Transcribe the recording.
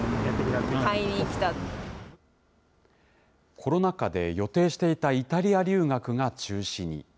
コロナ禍で予定していたイタリア留学が中止に。